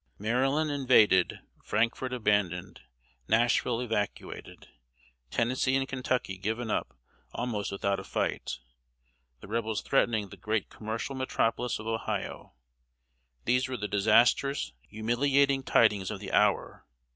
] Maryland invaded, Frankfort abandoned, Nashville evacuated, Tennessee and Kentucky given up almost without a fight, the Rebels threatening the great commercial metropolis of Ohio these were the disastrous, humiliating tidings of the hour.